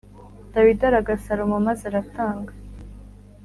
Dawidi araga Salomo maze aratanga